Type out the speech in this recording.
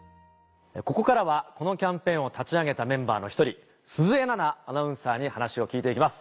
ここからはこのキャンペーンを立ち上げたメンバーの１人鈴江奈々アナウンサーに話を聞いていきます。